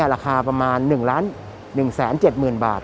ราคาประมาณ๑๑๗๐๐๐บาท